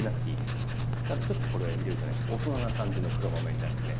ただちょっとこれ入れるとね大人な感じの黒豆になってね